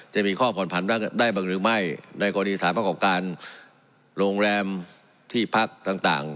จะมีข้อผ่อนผันได้บ้างหรือไม่ในกรณีสารประกอบการโรงแรมที่พักต่าง